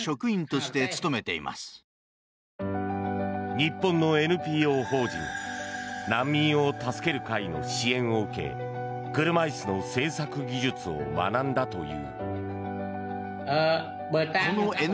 日本のＮＰＯ法人難民を助ける会の支援を受け車椅子の制作技術を学んだという。